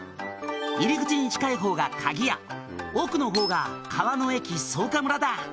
「入り口に近いほうが鍵や奥のほうが川の駅そうか村だ」